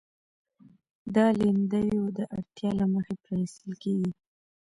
دا لیندیو د اړتیا له مخې پرانیستل کېږي.